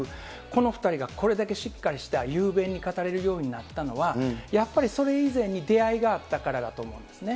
この２人がこれだけしっかりした雄弁に語れるようになったのは、やっぱりそれ以前に出会いがあったからだと思うんですね。